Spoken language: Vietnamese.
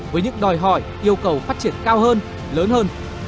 với những đòi hỏi yêu cầu phát triển cao hơn lớn hơn